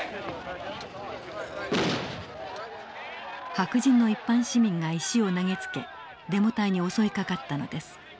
白人の一般市民が石を投げつけデモ隊に襲いかかったのです。